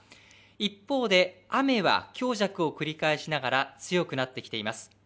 一方で雨は強弱を繰り返しながら強くなってきています。